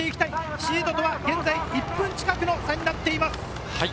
シードとは１分近くの差になっています。